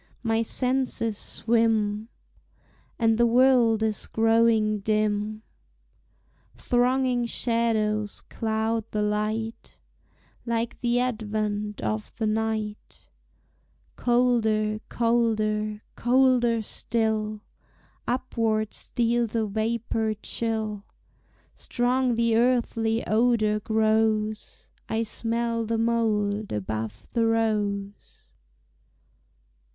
my senses swim. And the world is growing dim; Thronging shadows cloud the light, Like the advent of the night, Colder, colder, colder still, Upward steals a vapor chill; Strong the earthly odor grows, I smell the mold above the rose!